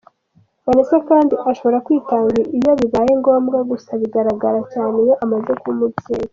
Vanessa kandi ashobora kwitanga iyo bibaye ngombwa gusa bigaragara cyane iyo amaze kuba umubyeyi.